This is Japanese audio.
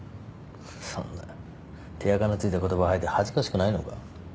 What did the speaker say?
そんな手あかの付いた言葉吐いて恥ずかしくないのか？